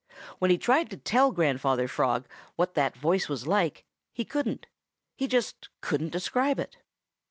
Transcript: When he tried to tell Grandfather Frog what that voice was like, he couldn't. He just couldn't describe it.